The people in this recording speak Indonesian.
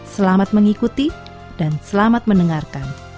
selamat mengikuti dan selamat mendengarkan